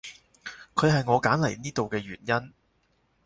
佢係我揀嚟呢度嘅原因